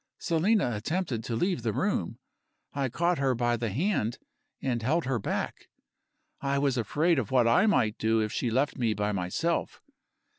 Selina attempted to leave the room. I caught her by the hand, and held her back. I was afraid of what I might do if she left me by myself.